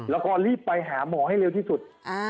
แล้วก็รีบไปหาหมอให้เร็วที่สุด